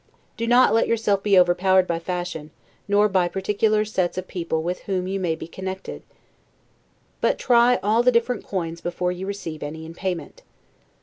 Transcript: Do not let yourself be overpowered by fashion, nor by particular sets of people with whom you may be connected; but try all the different coins before you receive any in payment.